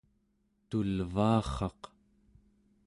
tulvaarraq